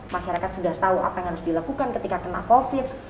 masyarakat sudah tahu apa yang harus dilakukan ketika kena covid